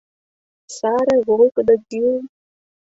Саре, волгыдо, гӱл...